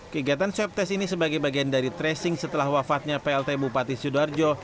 kegiatan swab test ini sebagai bagian dari tracing setelah wafatnya plt bupati sidoarjo